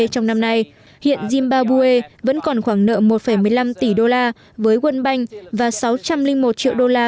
trong năm nay hiện zimbabwe vẫn còn khoảng nợ một một mươi năm tỷ đô la với quân banh và sáu trăm linh một triệu đô la